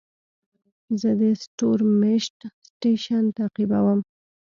زه د ستورمېشت سټېشن تعقیبوم.